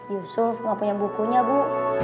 yusuf gak punya bukunya bu